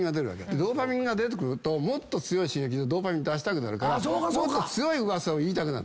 ドーパミンが出てくるともっと強い刺激のドーパミン出したくなるからもっと強い噂を言いたくなる。